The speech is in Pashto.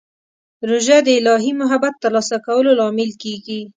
روژه د الهي محبت ترلاسه کولو لامل کېږي.